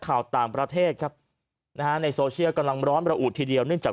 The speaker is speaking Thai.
ข่าวต่างประเทศครับนะฮะในโซเชียลกำลังร้อนระอุดทีเดียวเนื่องจาก